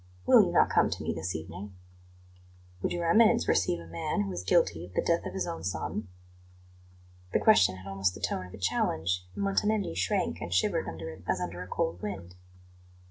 Will you not come to me this evening?" "Would Your Eminence receive a man who is guilty of the death of his own son?" The question had almost the tone of a challenge, and Montanelli shrank and shivered under it as under a cold wind.